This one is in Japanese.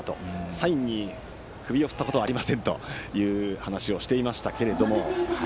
サインに首を振ったことはありませんと話をしていましたけれども。